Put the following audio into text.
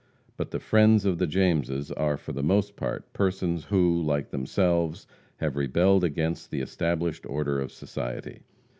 But the "friends" of the Jameses are for the most part persons who, like themselves, have rebelled against the established order of society.